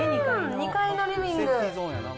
２階のリビング。